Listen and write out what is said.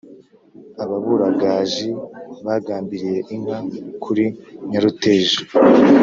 Ababurugaji bagambiriye inka kuri Nyaruteja,